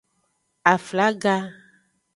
Aflaga.